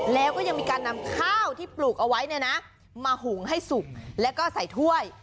แล้วก็ยังมีการนำข้าวที่ปลูกเอาไว้เนี่ยนะมาหุงให้สุกแล้วก็ใส่ถ้วย